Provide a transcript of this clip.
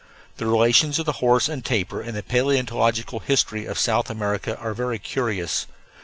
The relations of the horse and tapir in the paleontological history of South America are very curious.